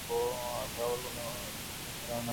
এসব আবার কোন নতুন খেলা শোভা?